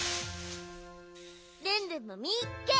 ルンルンもみっけ！